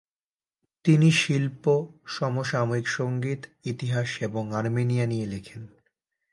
তিনি শিল্প, সমসাময়িক সঙ্গীত, ইতিহাস এবং আর্মেনিয়া নিয়ে লেখেন।